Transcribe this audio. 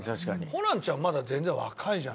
ホランちゃんはまだ全然若いじゃないですか。